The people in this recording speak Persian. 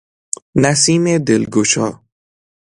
نسیم دلگشا